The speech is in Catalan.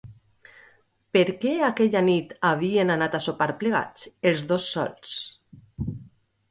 Per què aquella nit havien anat a sopar plegats, els dos sols?